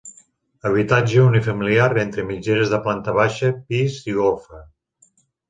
Habitatge unifamiliar entre mitgeres de planta baixa, pis i golfa.